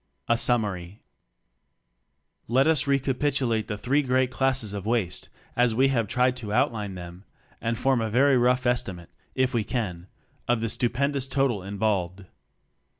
A SUMMARY Let us recapitulate the three great classes of waste as we have tried to outline them, and form a very rough estimate, if we can, of the stupendous total involved.